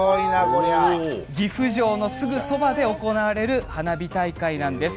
岐阜城のすぐそばで行われる花火大会なんです。